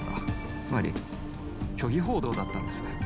つまり虚偽報道だったんです。